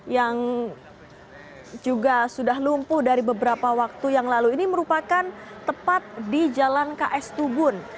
yang juga sudah lumpuh dari beberapa waktu yang lalu ini merupakan tepat di jalan ks tubun